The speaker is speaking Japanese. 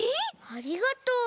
ありがとう。